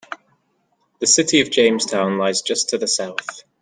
The city of Jamestown lies just to the south.